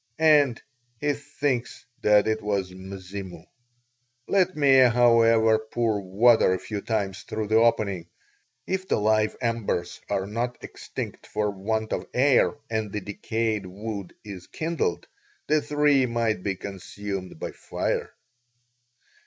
And he thinks that it was Mzimu. Let Mea, however, pour water a few times through the opening; if the live embers are not extinct for want of air and the decayed wood is kindled, the tree might be consumed by fire."